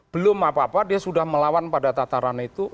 belum apa apa dia sudah melawan pada tataran itu